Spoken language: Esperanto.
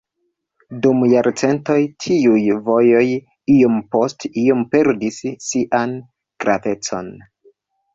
Dum jarcentoj tiuj vojoj iom post iom perdis sian gravecon.